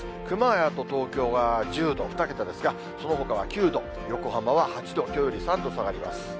熊谷と東京は１０度、２桁ですが、そのほかは９度、横浜は８度、きょうより３度下がります。